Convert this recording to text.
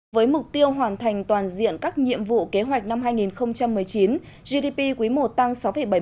với mục tiêu hoàn thành toàn diện các nhiệm vụ kế hoạch năm hai nghìn một mươi chín gdp quý i tăng sáu bảy mươi chín